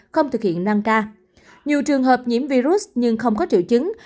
không thực hiện năm k nhiều trường hợp nhiễm virus nhưng không có triệu chứng